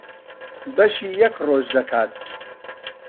بەشی یەک ڕۆژ دەکات.